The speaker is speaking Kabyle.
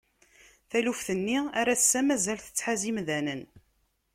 Taluft-nni ar ass-a mazal tettḥaz imdanen.